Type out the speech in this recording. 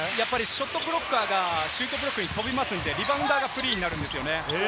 ショットクロッカーがシュートブロックに跳びますので、リバウンダーがフリーになります。